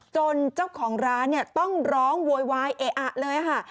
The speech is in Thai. จนเจ้าของร้านต้องร้องววยวายเอ๊ะเลยค่ะ